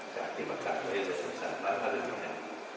จะอธิบัติการตัวเองส่วนสำหรับพระรุนเฮียม